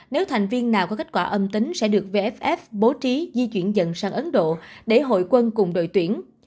nếu thành viên nào có kết quả âm tính sẽ được vff bố trí di chuyển dần sang ấn độ để hội quân cùng đội tuyển